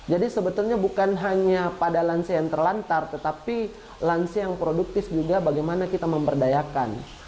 jadi sebetulnya bukan hanya pada lansia yang terlantar tetapi lansia yang produktif juga bagaimana kita memberdayakan